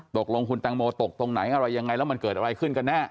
ตกลงคุณแตงโมตกตรงไหนอะไรยังไงแล้วมันเกิดอะไรขึ้นกันแน่